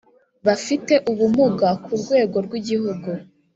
bafite ubumuga ku rwego rw Igihugu